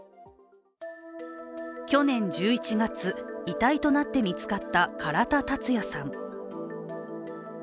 去年１１月、遺体となって見つかった唐田健也さん。